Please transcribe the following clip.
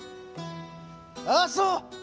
あっそう！